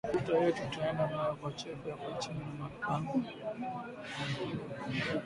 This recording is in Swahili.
Makuta yetu tutenda nayo kwa chefu atu kachiye ma mpango